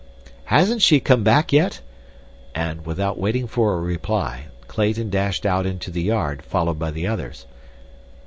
"Hasn't she come back yet?" and, without waiting for a reply, Clayton dashed out into the yard, followed by the others.